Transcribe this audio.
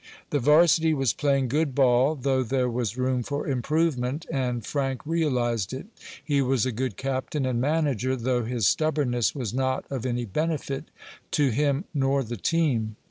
The varsity was playing good ball, though there was room for improvement, and Frank realized it. He was a good captain and manager, though his stubbornness was not of any benefit to him nor the team.